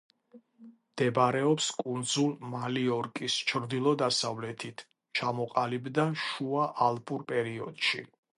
მდებარეობს კუნძულ მალიორკის ჩრდილო-დასავლეთით, ჩამოყალიბდა შუა ალპურ პერიოდში.